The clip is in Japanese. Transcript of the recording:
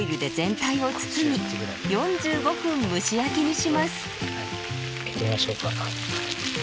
開けてみましょうか。